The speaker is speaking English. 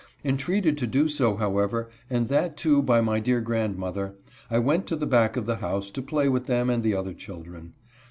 Entreated to do 60, however, and that, too, by my dear grandmother, I went to the back part of the house to play with them and the other children.